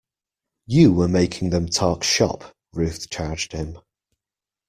You were making them talk shop, Ruth charged him.